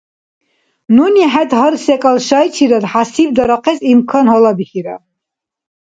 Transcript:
Нуни хӀед гьар секӀал шайчирад хӀясибдарахъес имкан гьалабихьира.